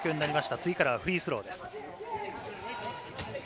次からはフリースローです。